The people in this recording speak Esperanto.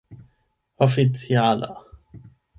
oficiala